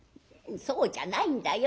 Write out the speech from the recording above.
「そうじゃないんだよ。